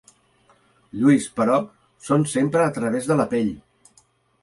Lluís, però, són sempre a través de la pell.